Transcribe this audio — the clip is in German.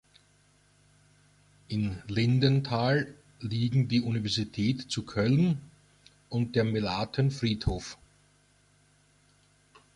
In Lindenthal liegen die Universität zu Köln und der Melaten-Friedhof.